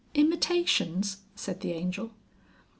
"Imitations!" said the Angel.